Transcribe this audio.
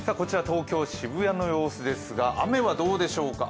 東京・渋谷の様子ですが雨はどうでしょうか。